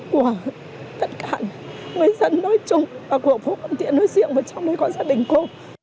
của tất cả người dân nói chung và của phố khâm thiên nói riêng và trong mấy con gia đình cô